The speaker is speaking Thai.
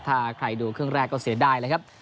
ถ้าใครดูครึ่งแรกก็เสียดายเลยครับ